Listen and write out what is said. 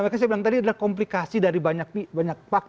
maka saya bilang tadi adalah komplikasi dari banyak faktor